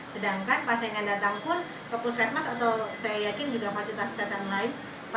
sedangkan pasien yang datang pun ke puskesmas atau saya yakin juga fasilitas kesehatan lain